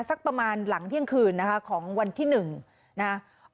สักประมาณหลังเที่ยงคืนนะคะของวันที่๑นะครับ